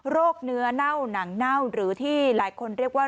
เนื้อเน่าหนังเน่าหรือที่หลายคนเรียกว่า